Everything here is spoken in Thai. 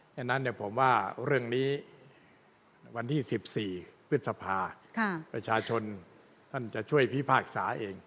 ฉะนั้นผมว่าเรื่องนี้วันที่๑๔พฤษภาประชาชนท่านจะช่วยพิพากษาเอง